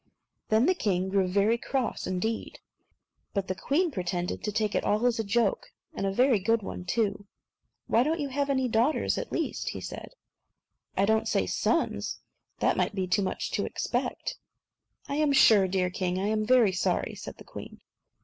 Then the king grew very cross indeed. But the queen pretended to take it all as a joke, and a very good one too. "Why don't you have any daughters, at least?" said he. "I don't say sons; that might be too much to expect." "I am sure, dear king, I am very sorry," said the queen.